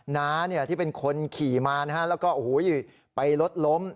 น้าที่เป็นคนขี่มาแล้วก็ไปรถล้ม